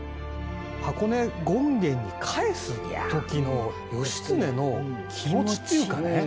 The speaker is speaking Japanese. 箱根権現に返す時の義経の気持ちっていうかね。